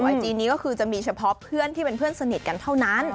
ไอจีนี้ก็คือจะมีเฉพาะเพื่อนที่เป็นเพื่อนสนิทกันเท่านั้น